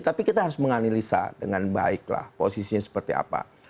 masyarakat harus menganalisa dengan baiklah posisinya seperti apa